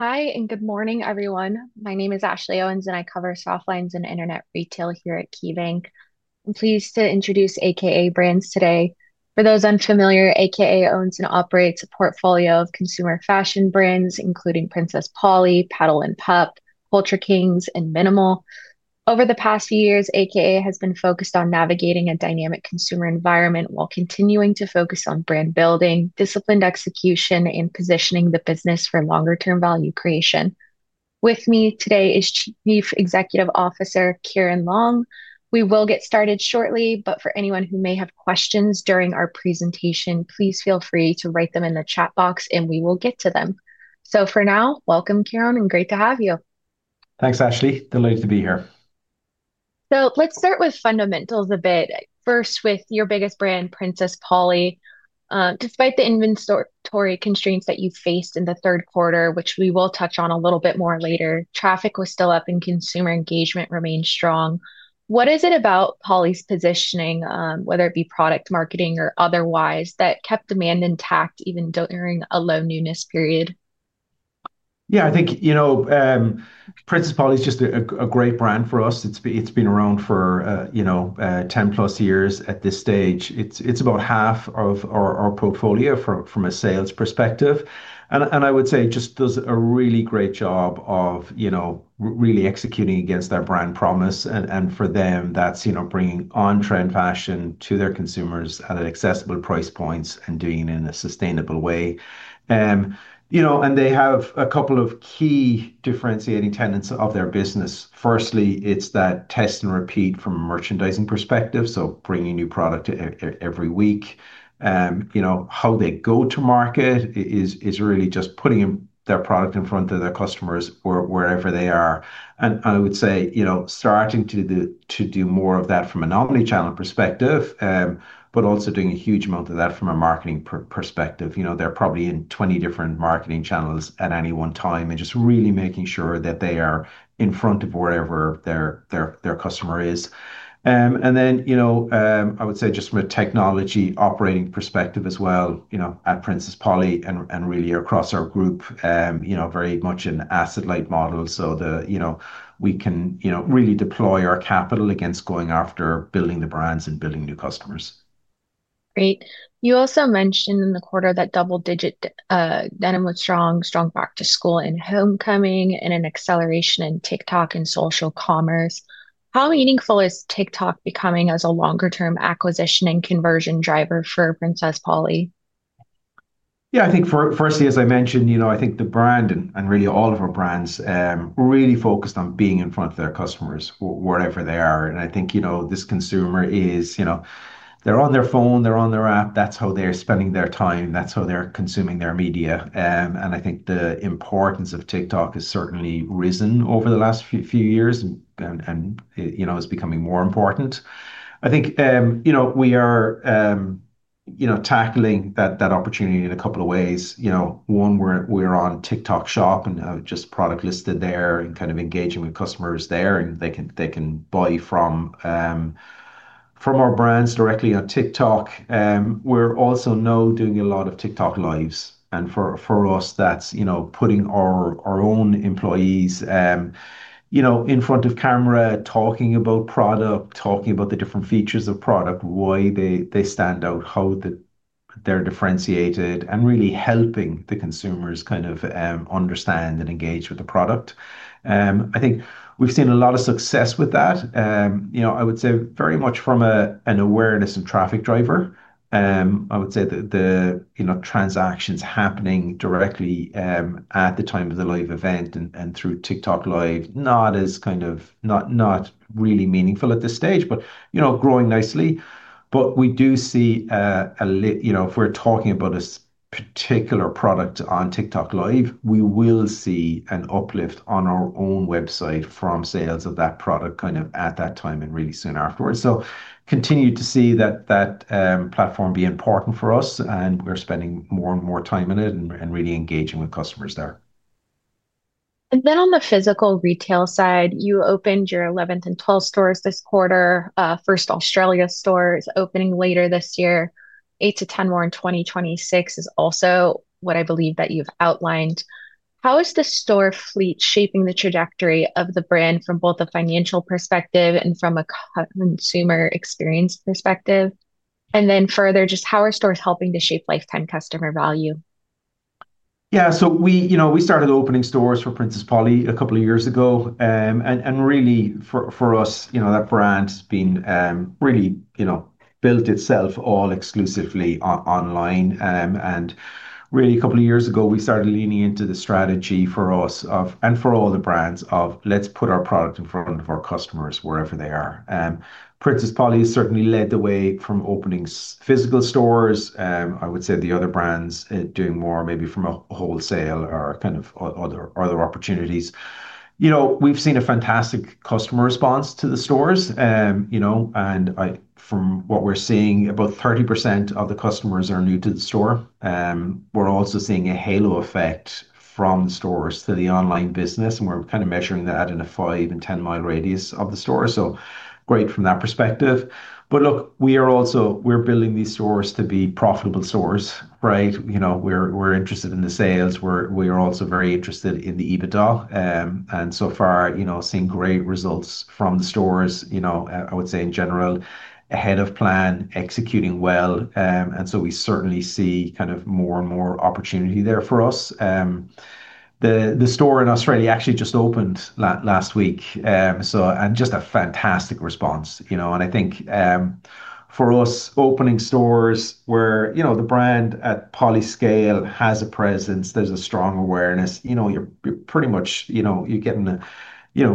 Hi, and good morning, everyone. My name is Ashley Owens, and I cover soft lines and internet retail here at KeyBank. I'm pleased to introduce a.k.a. Brands today. For those unfamiliar, a.k.a. owns and operates a portfolio of consumer fashion brands, including Princess Polly, Petal & Pup, Culture Kings, and Minimal. Over the past few years, a.k.a. has been focused on navigating a dynamic consumer environment while continuing to focus on brand building, disciplined execution, and positioning the business for longer-term value creation. With me today is Chief Executive Officer Ciaran Long. We will get started shortly, but for anyone who may have questions during our presentation, please feel free to write them in the chat box, and we will get to them, so for now, welcome, Ciaran, and great to have you. Thanks, Ashley. Delighted to be here. So let's start with fundamentals a bit. First, with your biggest brand, Princess Polly. Despite the inventory constraints that you faced in the third quarter, which we will touch on a little bit more later, traffic was still up and consumer engagement remained strong. What is it about Polly's positioning, whether it be product marketing or otherwise, that kept demand intact even during a low-newness period? Yeah, I think Princess Polly is just a great brand for us. It's been around for 10-plus years at this stage. It's about half of our portfolio from a sales perspective. And I would say it just does a really great job of really executing against their brand promise. And for them, that's bringing on-trend fashion to their consumers at accessible price points and doing it in a sustainable way. And they have a couple of key differentiating tenets of their business. Firstly, it's that test and repeat from a merchandising perspective, so bringing new product every week. How they go to market is really just putting their product in front of their customers wherever they are. And I would say starting to do more of that from an omnichannel perspective, but also doing a huge amount of that from a marketing perspective. They're probably in 20 different marketing channels at any one time and just really making sure that they are in front of wherever their customer is. And then I would say just from a technology operating perspective as well at Princess Polly and really across our group, very much an asset-like model, so we can really deploy our capital against going after building the brands and building new customers. Great. You also mentioned in the quarter that double-digit denim was strong, strong back-to-school and homecoming, and an acceleration in TikTok and social commerce. How meaningful is TikTok becoming as a longer-term acquisition and conversion driver for Princess Polly? Yeah, I think firstly, as I mentioned, I think the brand and really all of our brands really focused on being in front of their customers wherever they are. And I think this consumer is, they're on their phone, they're on their app, that's how they're spending their time, that's how they're consuming their media. And I think the importance of TikTok has certainly risen over the last few years and is becoming more important. I think we are tackling that opportunity in a couple of ways. One, we're on TikTok Shop and just product listed there and kind of engaging with customers there, and they can buy from our brands directly on TikTok. We're also now doing a lot of TikTok lives. For us, that's putting our own employees in front of camera, talking about product, talking about the different features of product, why they stand out, how they're differentiated, and really helping the consumers kind of understand and engage with the product. I think we've seen a lot of success with that. I would say very much from an awareness and traffic driver. I would say the transactions happening directly at the time of the live event and through TikTok Live not as kind of really meaningful at this stage, but growing nicely. We do see if we're talking about a particular product on TikTok Live, we will see an uplift on our own website from sales of that product kind of at that time and really soon afterwards. Continue to see that platform be important for us, and we're spending more and more time in it and really engaging with customers there. Then on the physical retail side, you opened your 11th and 12th stores this quarter. First Australia store is opening later this year. Eight to 10 more in 2026 is also what I believe that you've outlined. How is the store fleet shaping the trajectory of the brand from both a financial perspective and from a consumer experience perspective? Then further, just how are stores helping to shape lifetime customer value? Yeah, so we started opening stores for Princess Polly a couple of years ago. And really, for us, that brand has been really built itself all exclusively online. And really, a couple of years ago, we started leaning into the strategy for us and for all the brands of, let's put our product in front of our customers wherever they are. Princess Polly has certainly led the way from opening physical stores. I would say the other brands are doing more maybe from a wholesale or kind of other opportunities. We've seen a fantastic customer response to the stores. And from what we're seeing, about 30% of the customers are new to the store. We're also seeing a halo effect from the stores to the online business, and we're kind of measuring that in a five and 10-mile radius of the store. So great from that perspective. But look, we are also building these stores to be profitable stores, right? We're interested in the sales. We are also very interested in the EBITDA, and so far, seeing great results from the stores, I would say in general, ahead of plan, executing well, and so we certainly see kind of more and more opportunity there for us. The store in Australia actually just opened last week, and just a fantastic response. And I think for us, opening stores where the brand at Princess Polly scale has a presence, there's a strong awareness. You're pretty much getting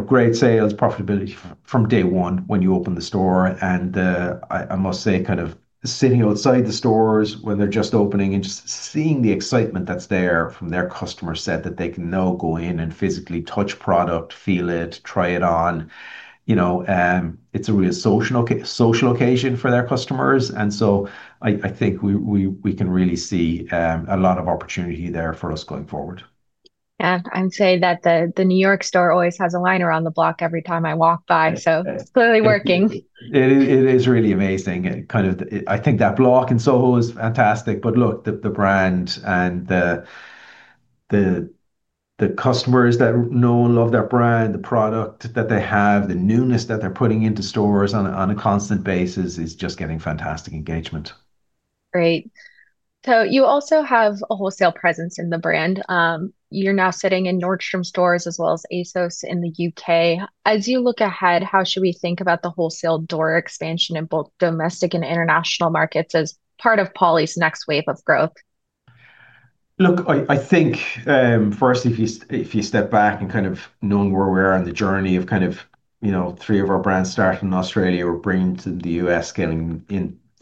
great sales, profitability from day one when you open the store, and I must say kind of sitting outside the stores when they're just opening and just seeing the excitement that's there from their customer set that they can now go in and physically touch product, feel it, try it on. It's a real social occasion for their customers, and so I think we can really see a lot of opportunity there for us going forward. Yeah, I would say that the New York store always has a line around the block every time I walk by, so it's clearly working. It is really amazing. Kind of I think that block in Soho is fantastic. But look, the brand and the customers that know and love their brand, the product that they have, the newness that they're putting into stores on a constant basis is just getting fantastic engagement. Great. So you also have a wholesale presence in the brand. You're now sitting in Nordstrom stores as well as ASOS in the UK. As you look ahead, how should we think about the wholesale door expansion in both domestic and international markets as part of Polly's next wave of growth? Look, I think first, if you step back and kind of know where we are on the journey of kind of three of our brands starting in Australia or bringing to the U.S.,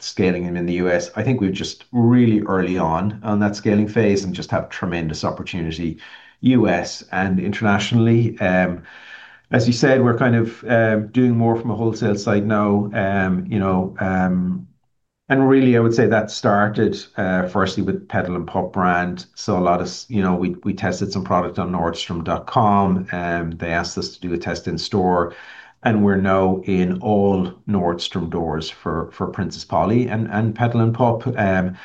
scaling them in the U.S., I think we're just really early on that scaling phase and just have tremendous opportunity U.S. and internationally. As you said, we're kind of doing more from a wholesale side now, and really, I would say that started firstly with Petal & Pup brand, so a lot, we tested some product on Nordstrom.com. They asked us to do a test in store, and we're now in all Nordstrom doors for Princess Polly and Petal & Pup, and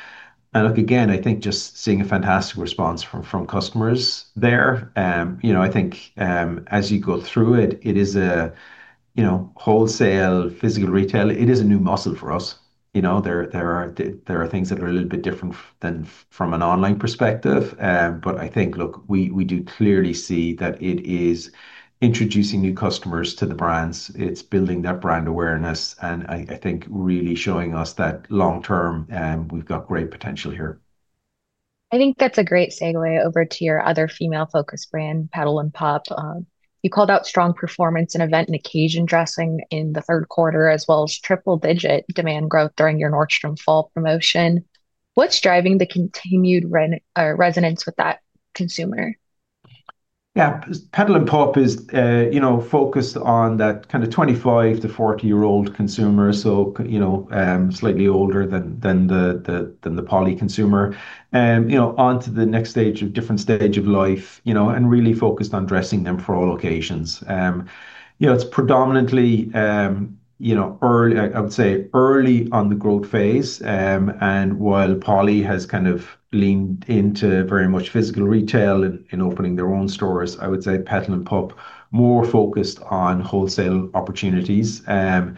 look, again, I think just seeing a fantastic response from customers there. I think as you go through it, it is a wholesale physical retail. It is a new muscle for us. There are things that are a little bit different than from an online perspective. But I think, look, we do clearly see that it is introducing new customers to the brands. It's building that brand awareness and I think really showing us that long-term we've got great potential here. I think that's a great segue over to your other female-focused brand, Petal & Pup. You called out strong performance in event and occasion dressing in the third quarter as well as triple-digit demand growth during your Nordstrom fall promotion. What's driving the continued resonance with that consumer? Yeah, Petal & Pup is focused on that kind of 25 to 40 year-old consumer, so slightly older than the Polly consumer, onto the next stage of different stage of life and really focused on dressing them for all occasions. It's predominantly, I would say, early on the growth phase. While Polly has kind of leaned into very much physical retail and opening their own stores, I would say Petal & Pup is more focused on wholesale opportunities. I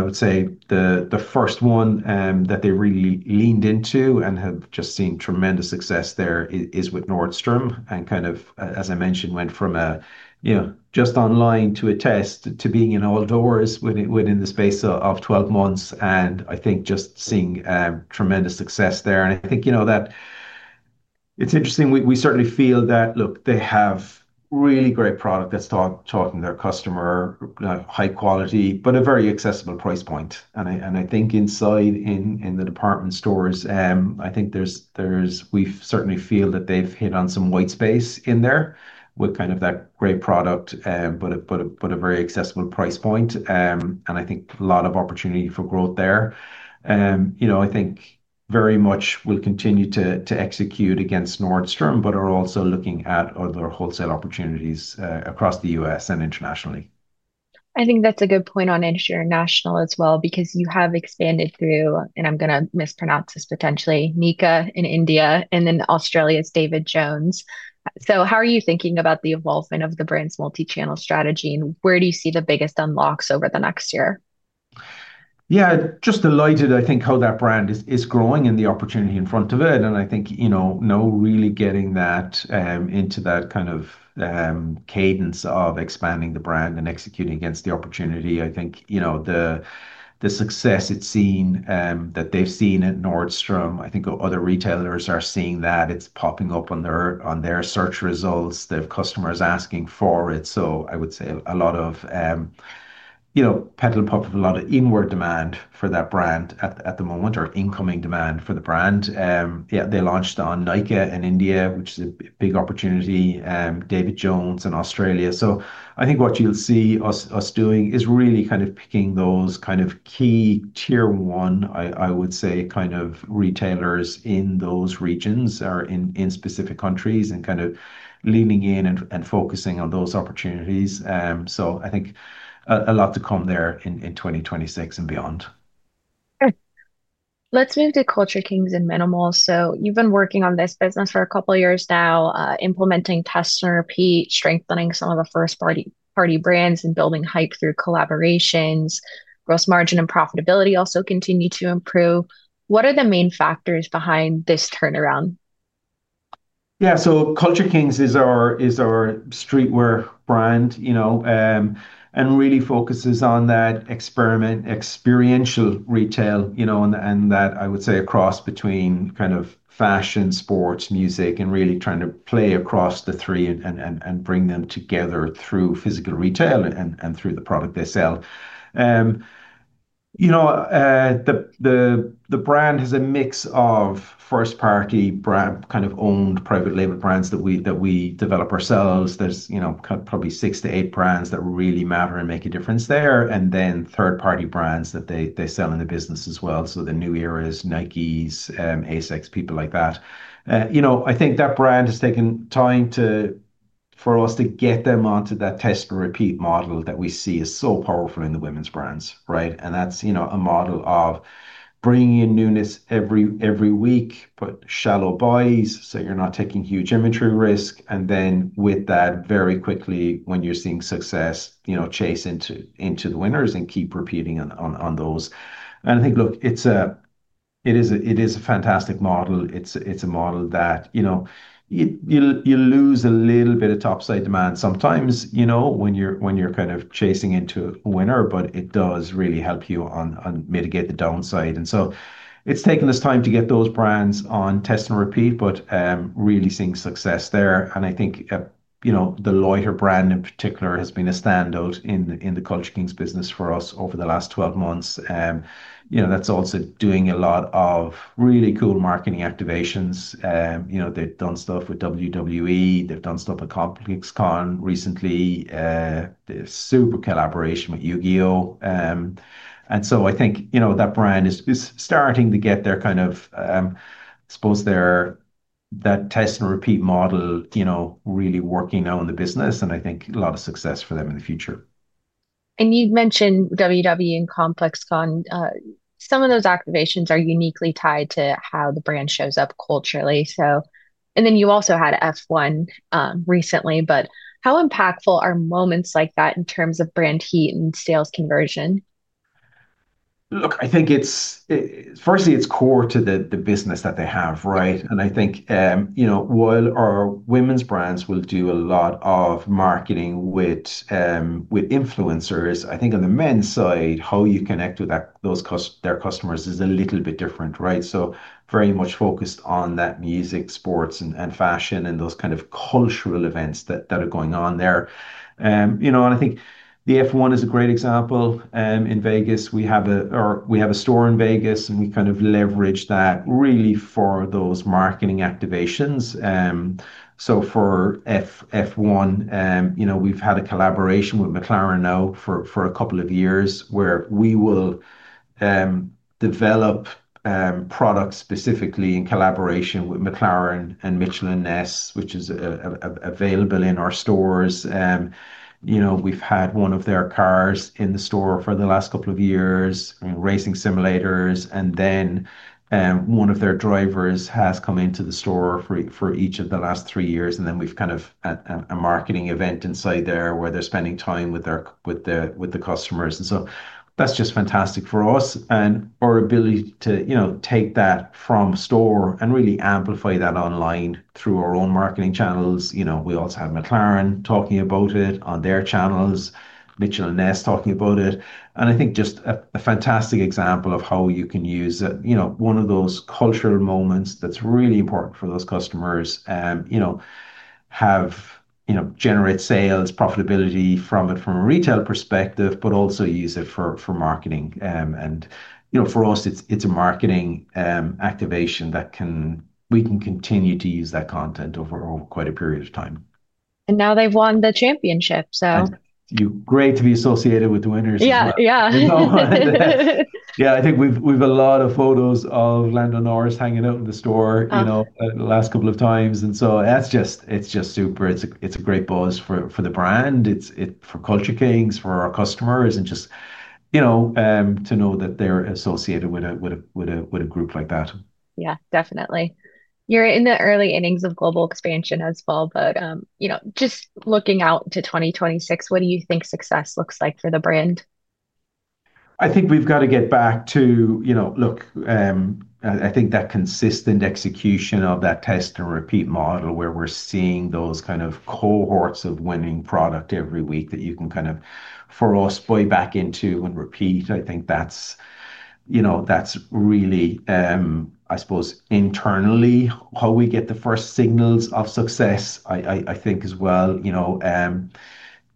would say the first one that they really leaned into and have just seen tremendous success there is with Nordstrom. Kind of, as I mentioned, went from just online to a test to being in all doors within the space of 12 months. I think just seeing tremendous success there. I think that it's interesting. We certainly feel that, look, they have really great product that's talking to their customer, high quality, but a very accessible price point. And I think inside in the department stores, I think we certainly feel that they've hit on some white space in there with kind of that great product, but a very accessible price point. And I think a lot of opportunity for growth there. I think very much will continue to execute against Nordstrom, but are also looking at other wholesale opportunities across the U.S. and internationally. I think that's a good point on international as well because you have expanded through, and I'm going to mispronounce this potentially, Nykaa in India, and then Australia's David Jones. So how are you thinking about the evolvement of the brand's multi-channel strategy and where do you see the biggest unlocks over the next year? Yeah, just delighted, I think, how that brand is growing and the opportunity in front of it. I think now really getting that into that kind of cadence of expanding the brand and executing against the opportunity. I think the success it's seen that they've seen at Nordstrom. I think other retailers are seeing that. It's popping up on their search results. They have customers asking for it. So I would say a lot of Petal & Pup have a lot of inward demand for that brand at the moment or incoming demand for the brand. They launched on Nykaa in India, which is a big opportunity, David Jones in Australia. So I think what you'll see us doing is really kind of picking those kind of key tier one, I would say, kind of retailers in those regions or in specific countries and kind of leaning in and focusing on those opportunities. So I think a lot to come there in 2026 and beyond. Good. Let's move to Culture Kings and mnml. So you've been working on this business for a couple of years now, implementing tests and repeat, strengthening some of the first-party brands and building hype through collaborations. Gross margin and profitability also continue to improve. What are the main factors behind this turnaround? Yeah, so Culture Kings is our streetwear brand and really focuses on that experiential retail, and that I would say a cross between kind of fashion, sports, music, and really trying to play across the three and bring them together through physical retail and through the product they sell. The brand has a mix of first-party kind of owned private label brands that we develop ourselves. There's probably six to eight brands that really matter and make a difference there. And then third-party brands that they sell in the business as well. So the New Era's, Nike's, ASICS, people like that. I think that brand has taken time for us to get them onto that Test and Repeat model that we see is so powerful in the women's brands, right? And that's a model of bringing in newness every week, but shallow buys so you're not taking huge inventory risk. And then with that, very quickly, when you're seeing success, chase into the winners and keep repeating on those. I think, look, it is a fantastic model. It's a model that you lose a little bit of topside demand sometimes when you're kind of chasing into a winner, but it does really help you mitigate the downside. So it's taken this time to get those brands on test and repeat, but really seeing success there. I think the Loiter brand in particular has been a standout in the Culture Kings business for us over the last 12 months. That's also doing a lot of really cool marketing activations. They've done stuff with WWE. They've done stuff with ComplexCon recently. There's super collaboration with Yu-Gi-Oh! And so I think that brand is starting to get their kind of, I suppose, that test and repeat model really working now in the business. And I think a lot of success for them in the future. You've mentioned WWE and ComplexCon. Some of those activations are uniquely tied to how the brand shows up culturally. Then you also had F1 recently, but how impactful are moments like that in terms of brand heat and sales conversion? Look, I think firstly, it's core to the business that they have, right? I think while our women's brands will do a lot of marketing with influencers, I think on the men's side, how you connect with their customers is a little bit different, right? So very much focused on that music, sports, and fashion and those kind of cultural events that are going on there, and I think the F1 is a great example. In Vegas, we have a store in Vegas, and we kind of leverage that really for those marketing activations, so for F1, we've had a collaboration with McLaren now for a couple of years where we will develop products specifically in collaboration with McLaren and Mitchell & Ness, which is available in our stores. We've had one of their cars in the store for the last couple of years, racing simulators. And then one of their drivers has come into the store for each of the last three years. And then we've kind of a marketing event inside there where they're spending time with the customers. And so that's just fantastic for us. And our ability to take that from store and really amplify that online through our own marketing channels. We also have McLaren talking about it on their channels, Mitchell & Ness talking about it. And I think just a fantastic example of how you can use one of those cultural moments that's really important for those customers, and generate sales, profitability from it from a retail perspective, but also use it for marketing. And for us, it's a marketing activation that we can continue to use that content over quite a period of time. Now they've won the championship, so. Great to be associated with the winners. Yeah, yeah. Yeah, I think we have a lot of photos of Lando Norris hanging out in the store the last couple of times, and so it's just super. It's a great buzz for the brand, for Culture Kings, for our customers, and just to know that they're associated with a group like that. Yeah, definitely. You're in the early innings of global expansion as well, but just looking out to 2026, what do you think success looks like for the brand? I think we've got to get back to, look, I think that consistent execution of that test and repeat model where we're seeing those kind of cohorts of winning product every week that you can kind of for us play back into and repeat. I think that's really, I suppose, internally how we get the first signals of success, I think, as well.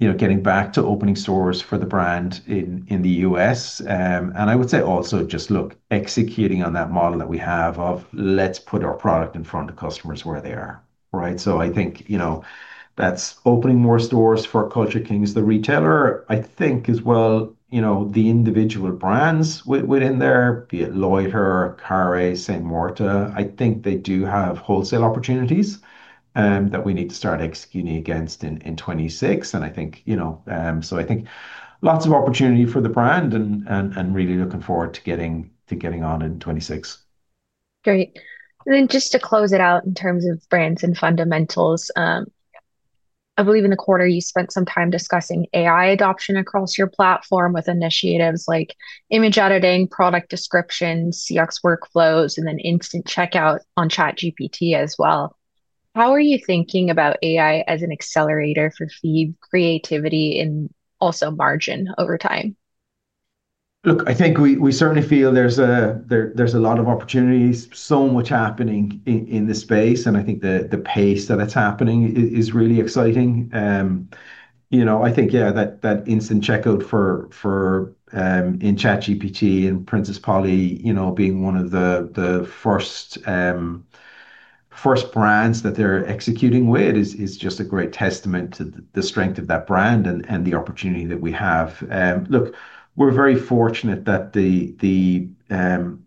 Getting back to opening stores for the brand in the U.S. and I would say also just, look, executing on that model that we have of let's put our product in front of customers where they are, right? So I think that's opening more stores for Culture Kings, the retailer, I think as well the individual brands within there, be it Loiter, HRA, Saint Morta. I think they do have wholesale opportunities that we need to start executing against in 2026. And I think so. I think lots of opportunity for the brand and really looking forward to getting on in 2026. Great. And then just to close it out in terms of brands and fundamentals, I believe in the quarter, you spent some time discussing AI adoption across your platform with initiatives like image editing, product descriptions, CX workflows, and then instant checkout on ChatGPT as well. How are you thinking about AI as an accelerator for feed creativity and also margin over time? Look, I think we certainly feel there's a lot of opportunities, so much happening in this space, and I think the pace that it's happening is really exciting. I think, yeah, that instant checkout in ChatGPT and Princess Polly being one of the first brands that they're executing with is just a great testament to the strength of that brand and the opportunity that we have. Look, we're very fortunate that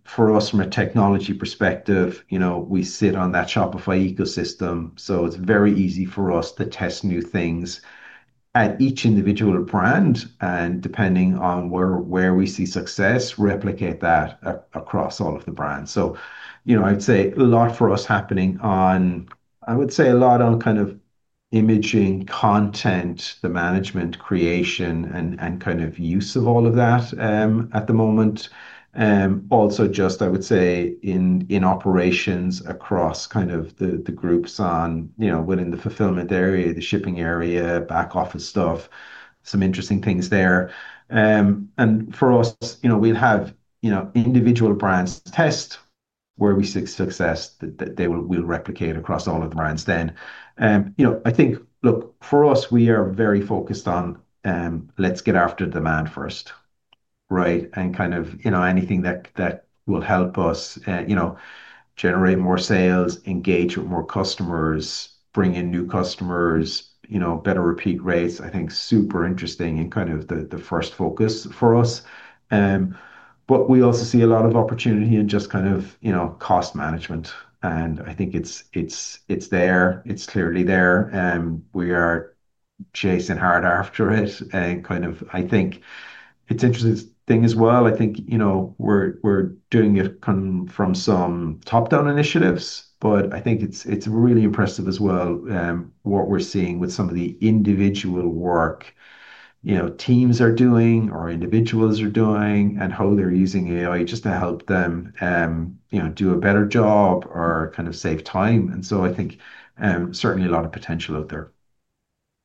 for us, from a technology perspective, we sit on that Shopify ecosystem, so it's very easy for us to test new things at each individual brand and depending on where we see success, replicate that across all of the brands, so I'd say a lot for us happening on, I would say a lot on kind of imaging, content, the management, creation, and kind of use of all of that at the moment. Also just, I would say, in operations across kind of the groups within the fulfillment area, the shipping area, back office stuff, some interesting things there. And for us, we'll have individual brands test where we see success that we'll replicate across all of the brands then. I think, look, for us, we are very focused on let's get after demand first, right? And kind of anything that will help us generate more sales, engage with more customers, bring in new customers, better repeat rates, I think super interesting and kind of the first focus for us. But we also see a lot of opportunity in just kind of cost management. And I think it's there. It's clearly there. We are chasing hard after it. And kind of I think it's an interesting thing as well. I think we're doing it from some top-down initiatives, but I think it's really impressive as well what we're seeing with some of the individual work teams are doing or individuals are doing and how they're using AI just to help them do a better job or kind of save time, and so I think certainly a lot of potential out there.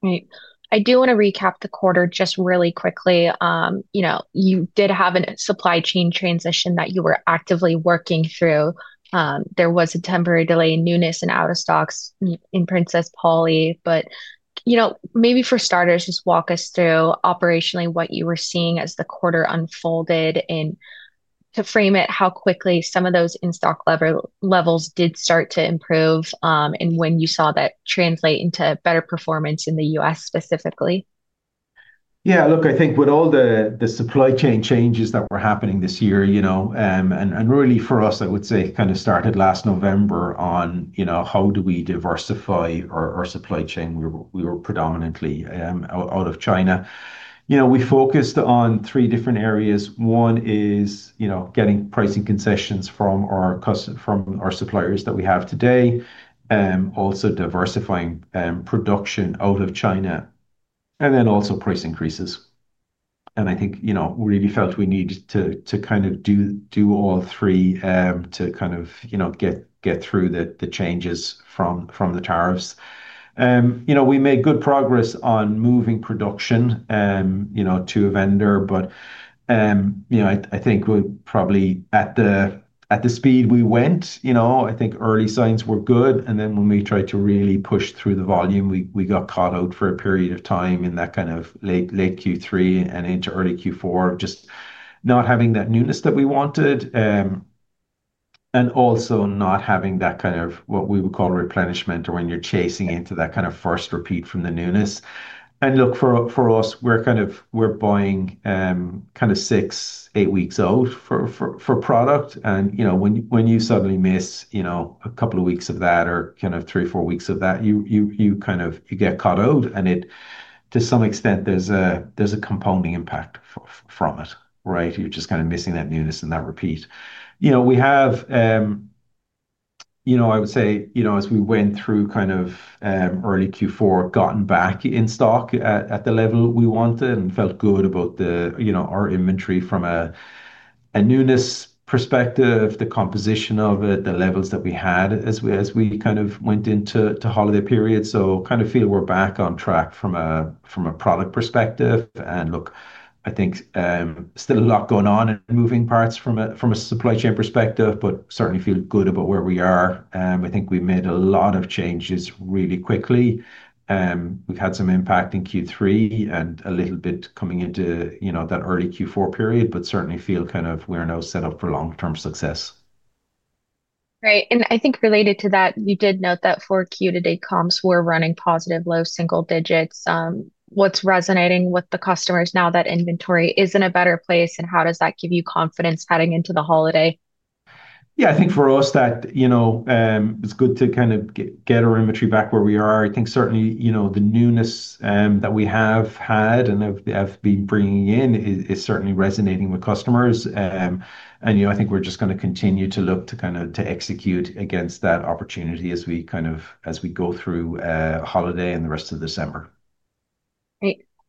Great. I do want to recap the quarter just really quickly. You did have a supply chain transition that you were actively working through. There was a temporary delay in newness and out of stocks in Princess Polly, but maybe for starters, just walk us through operationally what you were seeing as the quarter unfolded and to frame it how quickly some of those in-stock levels did start to improve and when you saw that translate into better performance in the U.S. specifically. Yeah, look, I think with all the supply chain changes that were happening this year, and really for us, I would say kind of started last November on how do we diversify our supply chain. We were predominantly out of China. We focused on three different areas. One is getting pricing concessions from our suppliers that we have today, also diversifying production out of China, and then also price increases. And I think we really felt we needed to kind of do all three to kind of get through the changes from the tariffs. We made good progress on moving production to a vendor, but I think probably at the speed we went, I think early signs were good. And then when we tried to really push through the volume, we got caught out for a period of time in that kind of late Q3 and into early Q4 of just not having that newness that we wanted and also not having that kind of what we would call replenishment or when you're chasing into that kind of first repeat from the newness. And look, for us, we're kind of buying kind of six, eight weeks out for product. And when you suddenly miss a couple of weeks of that or kind of three, four weeks of that, you kind of get caught out. And to some extent, there's a compounding impact from it, right? You're just kind of missing that newness and that repeat. We have, I would say, as we went through kind of early Q4, gotten back in stock at the level we wanted and felt good about our inventory from a newness perspective, the composition of it, the levels that we had as we kind of went into the holiday period, so kind of feel we're back on track from a product perspective, and look, I think still a lot going on and moving parts from a supply chain perspective, but certainly feel good about where we are. I think we made a lot of changes really quickly. We've had some impact in Q3 and a little bit coming into that early Q4 period, but certainly feel kind of we're now set up for long-term success. Great. And I think related to that, you did note that for Q2 to date, comps were running positive, low single digits. What's resonating with the customers now that inventory is in a better place? And how does that give you confidence heading into the holiday? Yeah, I think for us that it's good to kind of get our inventory back where we are. I think certainly the newness that we have had and have been bringing in is certainly resonating with customers. And I think we're just going to continue to look to kind of execute against that opportunity as we kind of go through holiday and the rest of December.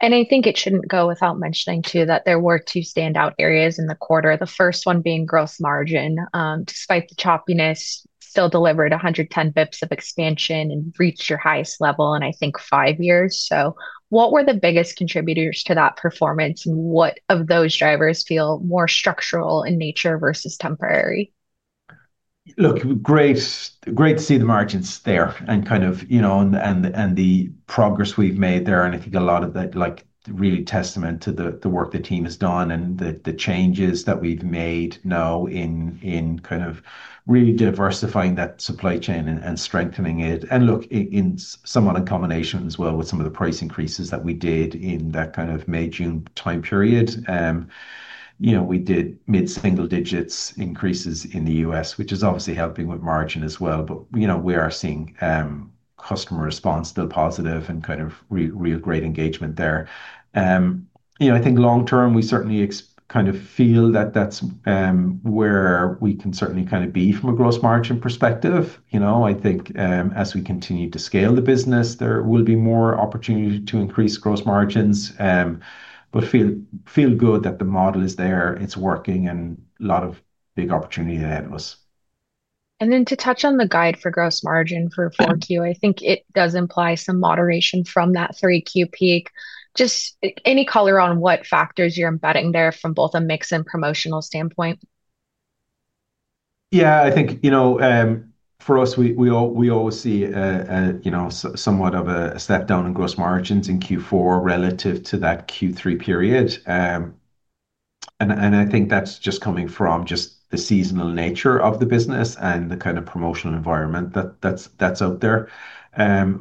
Great. And I think it shouldn't go without mentioning too that there were two standout areas in the quarter, the first one being gross margin. Despite the choppiness, still delivered 110 basis points of expansion and reached your highest level in, I think, five years. So what were the biggest contributors to that performance? And what of those drivers feel more structural in nature versus temporary? Look, great to see the margins there and kind of the progress we've made there, and I think a lot of that really testament to the work the team has done and the changes that we've made now in kind of really diversifying that supply chain and strengthening it, and look, in some other combination as well with some of the price increases that we did in that kind of May, June time period, we did mid-single digits increases in the U.S., which is obviously helping with margin as well, but we are seeing customer response still positive and kind of real great engagement there. I think long term, we certainly kind of feel that that's where we can certainly kind of be from a gross margin perspective. I think as we continue to scale the business, there will be more opportunity to increase gross margins, but feel good that the model is there. It's working and a lot of big opportunity ahead of us. And then to touch on the guide for gross margin for 4Q, I think it does imply some moderation from that 3Q peak. Just any color on what factors you're embedding there from both a mix and promotional standpoint? Yeah, I think for us, we always see somewhat of a step down in gross margins in Q4 relative to that Q3 period. I think that's just coming from the seasonal nature of the business and the kind of promotional environment that's out there.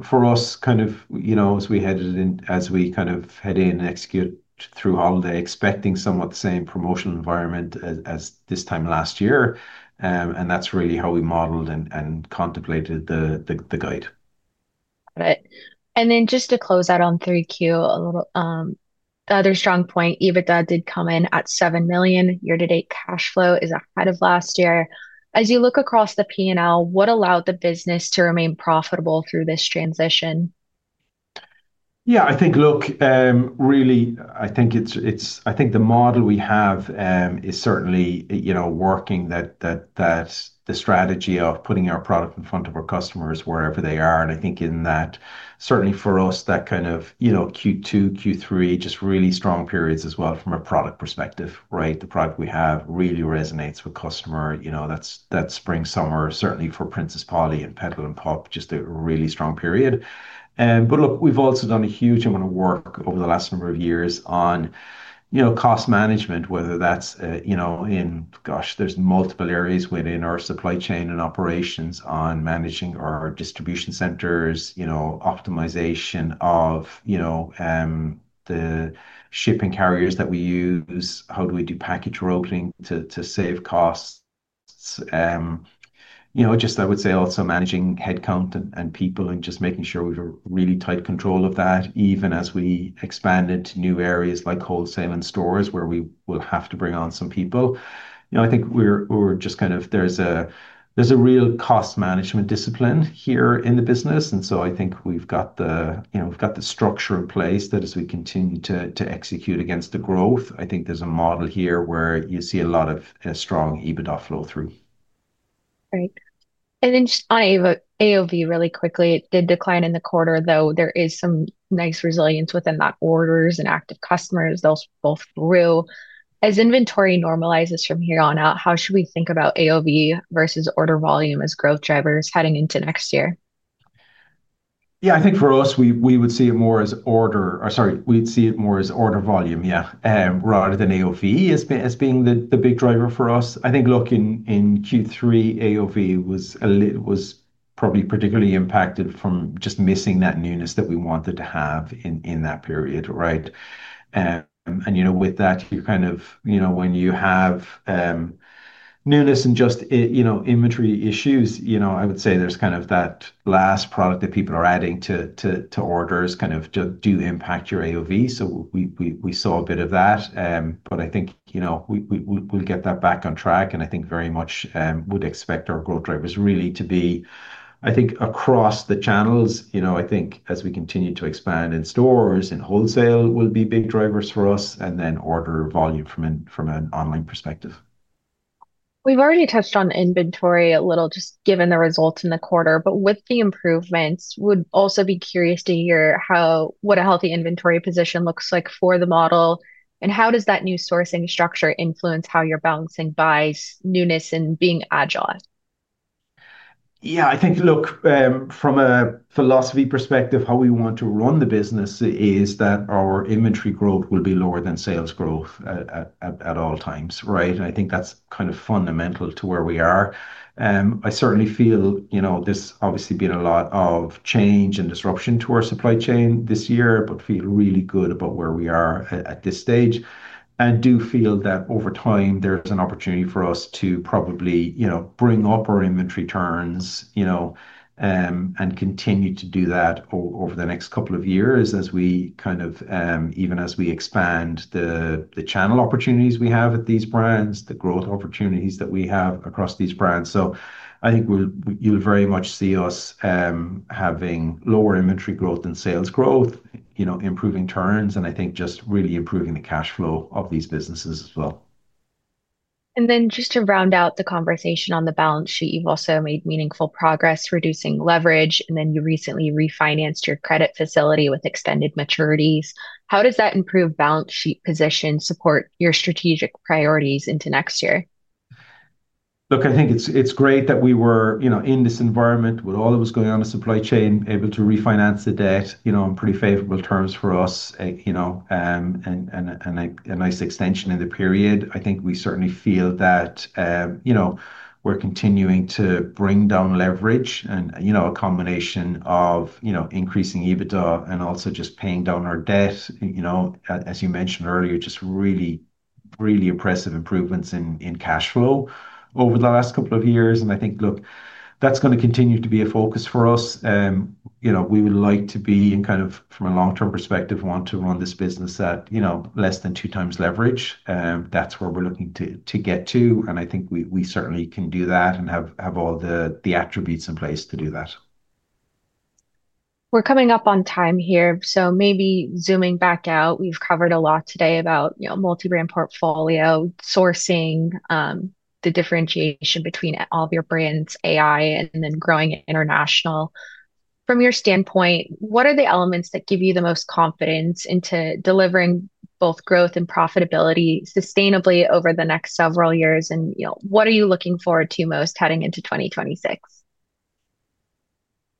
For us, kind of as we head in and execute through holiday, expecting somewhat the same promotional environment as this time last year. That's really how we modeled and contemplated the guide. Got it. And then just to close out on Q3, another strong point, EBITDA did come in at $7 million. Year-to-date cash flow is ahead of last year. As you look across the P&L, what allowed the business to remain profitable through this transition? Yeah, I think, look, really, I think the model we have is certainly working, that the strategy of putting our product in front of our customers wherever they are. And I think in that, certainly for us, that kind of Q2, Q3, just really strong periods as well from a product perspective, right? The product we have really resonates with customer. That's spring, summer, certainly for Princess Polly and Petal & Pup, just a really strong period. But look, we've also done a huge amount of work over the last number of years on cost management, whether that's in, gosh, there's multiple areas within our supply chain and operations on managing our distribution centers, optimization of the shipping carriers that we use, how do we do package routing to save costs. Just, I would say, also managing headcount and people and just making sure we've really tight control of that, even as we expanded to new areas like wholesale and stores where we will have to bring on some people. I think we're just kind of, there's a real cost management discipline here in the business. And so I think we've got the structure in place that as we continue to execute against the growth, I think there's a model here where you see a lot of strong EBITDA flow through. Great. And then just on AOV really quickly, it did decline in the quarter, though there is some nice resilience within that orders and active customers. Those both grew. As inventory normalizes from here on out, how should we think about AOV versus order volume as growth drivers heading into next year? Yeah, I think for us, we would see it more as order or sorry, we'd see it more as order volume, yeah, rather than AOV as being the big driver for us. I think, look, in Q3, AOV was probably particularly impacted from just missing that newness that we wanted to have in that period, right? And with that, you kind of, when you have newness and just inventory issues, I would say there's kind of that last product that people are adding to orders kind of do impact your AOV. So we saw a bit of that. But I think we'll get that back on track. And I think very much would expect our growth drivers really to be, I think, across the channels. I think as we continue to expand in stores and wholesale will be big drivers for us and then order volume from an online perspective. We've already touched on inventory a little just given the results in the quarter, but with the improvements, would also be curious to hear what a healthy inventory position looks like for the model and how does that new sourcing structure influence how you're balancing buys, newness, and being agile? Yeah, I think, look, from a philosophy perspective, how we want to run the business is that our inventory growth will be lower than sales growth at all times, right, and I think that's kind of fundamental to where we are. I certainly feel there's obviously been a lot of change and disruption to our supply chain this year, but feel really good about where we are at this stage and do feel that over time, there's an opportunity for us to probably bring up our inventory turns and continue to do that over the next couple of years as we kind of even as we expand the channel opportunities we have at these brands, the growth opportunities that we have across these brands. I think you'll very much see us having lower inventory growth and sales growth, improving turns, and I think just really improving the cash flow of these businesses as well. And then just to round out the conversation on the balance sheet, you've also made meaningful progress reducing leverage, and then you recently refinanced your credit facility with extended maturities. How does that improve balance sheet position support your strategic priorities into next year? Look, I think it's great that we were in this environment with all that was going on in supply chain, able to refinance the debt on pretty favorable terms for us and a nice extension in the period. I think we certainly feel that we're continuing to bring down leverage and a combination of increasing EBITDA and also just paying down our debt. As you mentioned earlier, just really, really impressive improvements in cash flow over the last couple of years. And I think, look, that's going to continue to be a focus for us. We would like to be in kind of from a long-term perspective, want to run this business at less than two times leverage. That's where we're looking to get to. And I think we certainly can do that and have all the attributes in place to do that. We're coming up on time here. So maybe zooming back out, we've covered a lot today about multi-brand portfolio, sourcing, the differentiation between all of your brands, AI, and then growing international. From your standpoint, what are the elements that give you the most confidence into delivering both growth and profitability sustainably over the next several years? And what are you looking forward to most heading into 2026?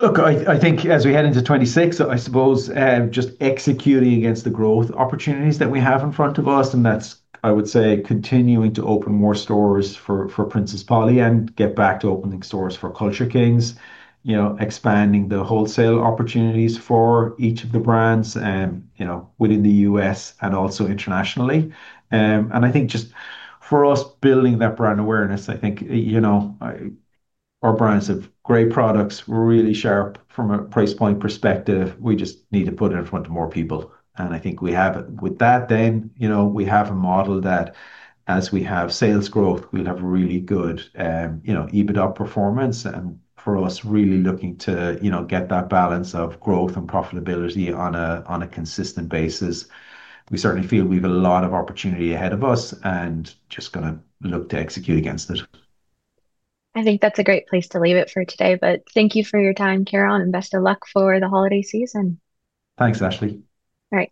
Look, I think as we head into 2026, I suppose just executing against the growth opportunities that we have in front of us. And that's, I would say, continuing to open more stores for Princess Polly and get back to opening stores for Culture Kings, expanding the wholesale opportunities for each of the brands within the U.S. and also internationally. And I think just for us, building that brand awareness, I think our brands have great products, really sharp from a price point perspective. We just need to put it in front of more people. And I think we have it. With that, then we have a model that as we have sales growth, we'll have really good EBITDA performance. And for us, really looking to get that balance of growth and profitability on a consistent basis. We certainly feel we've a lot of opportunity ahead of us and just going to look to execute against it. I think that's a great place to leave it for today. But thank you for your time, Ciaran, and best of luck for the holiday season. Thanks, Ashley. All right.